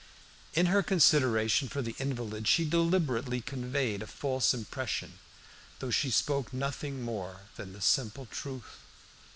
In her kind consideration for the invalid, she deliberately conveyed a false impression, though she spoke nothing more than the simple truth.